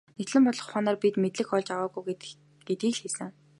Нягтлан бодох ухаанаар бид мэдлэг олж аваагүй гэдгийг л хэлсэн.